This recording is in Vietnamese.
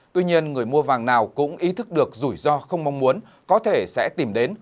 tuy nhiên người mua vàng nào cũng ý thức được rủi ro không mong muốn có thể sẽ tìm đến